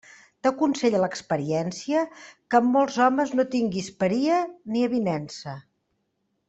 T'aconsella l'experiència que amb molts homes no tinguis paria ni avinença.